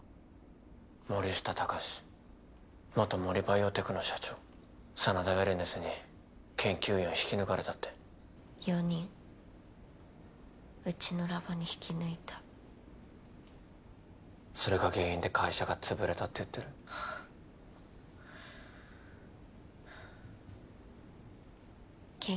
森下貴史元モリバイオテクノ社長真田ウェルネスに研究員を引き抜かれたって４人うちのラボに引き抜いたそれが原因で会社が潰れたって言ってるはあっ